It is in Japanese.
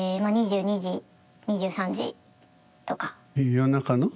夜中の？